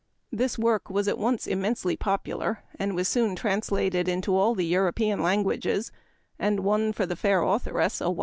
This work was at once immensely popular, and was soon translated into all the European languages, and won for the fair authoress a wide spread reputation.